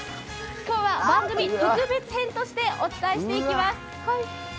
今日は番組特別編としてお伝えしていきます。